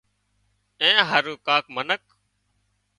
اين هارو ڪانڪ منک